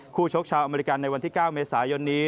ชกชาวอเมริกันในวันที่๙เมษายนนี้